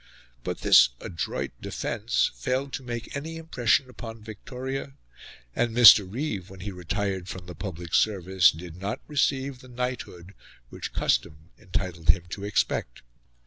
But this adroit defence failed to make any impression upon Victoria; and Mr. Reeve, when he retired from the public service, did not receive the knighthood which custom entitled him to expect.